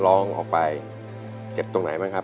ร้องออกไปเจ็บตรงไหนบ้างครับ